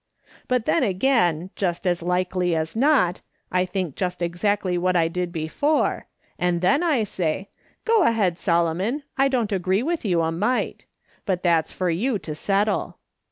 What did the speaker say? But then again, just as likely as not, I think just exactly what I did before, and then I say, ' Go ahead, Solo mon, I don't agree with you a mite ; but that's for you to settle.'